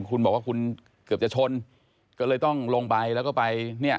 คุณบอกว่าคุณเกือบจะชนก็เลยต้องลงไปแล้วก็ไปเนี่ย